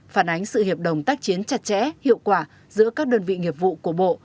phản ánh sự hiệp đồng tác chiến chặt chẽ hiệu quả giữa các đơn vị nghiệp vụ của bộ